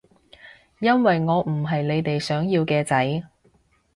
因為我唔係你哋想要嘅仔